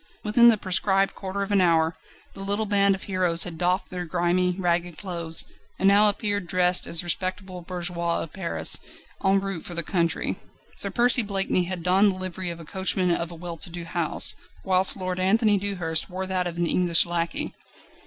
Within the prescribed quarter of an hour the little band of heroes had doffed their grimy, ragged clothes, and now appeared dressed as respectable bourgeois of Paris en route for the country. Sir Percy Blakeney had donned the livery of a coachman of a well to do house, whilst Lord Anthony Dewhurst wore that of an English lacquey.